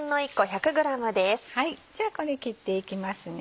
じゃあこれ切っていきますね。